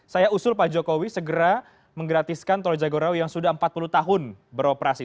saya usul pak jokowi segera menggratiskan tol jagorawi yang sudah empat puluh tahun beroperasi